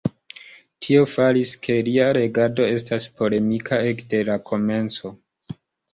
Tio faris ke lia regado estas polemika ekde la komenco.